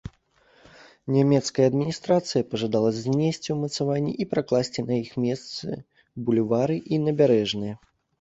Нямецкая адміністрацыя пажадала знесці ўмацаванні і пракласці на іх месцы бульвары і набярэжныя.